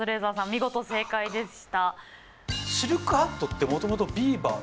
見事正解でした。